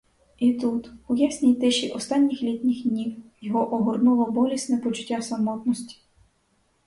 І тут, у ясній тиші останніх літніх днів, його огорнуло болісне почуття самотності.